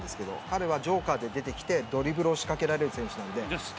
彼はジョーカーで出てきてドリブルを仕掛けられる選手です。